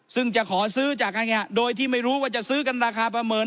ซึ่งจะขอซื้อจากโดยที่ไม่รู้ว่าจะซื้อกันราคาประเมิน